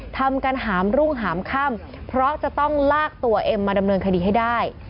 ทำกันหามรุ่งหามค่ำเพราะจะต้องลากตัวเอ็มมาดำเนินคดีให้ได้